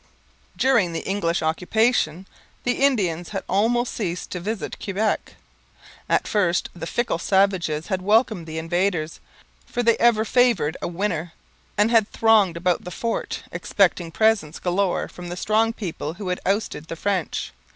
During the English occupation the Indians had almost ceased to visit Quebec. At first the fickle savages had welcomed the invaders, for they ever favoured a winner, and had thronged about the fort, expecting presents galore from the strong people who had ousted the French.